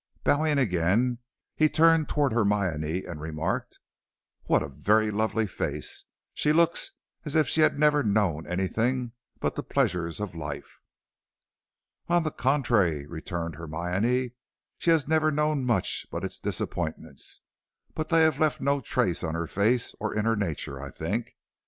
Bowing again, he turned towards Hermione and remarked: "What a very lovely face! She looks as if she had never known anything but the pleasures of life." "On the contrary," returned Hermione, "she has never known much but its disappointments. But they have left no trace on her face, or in her nature, I think.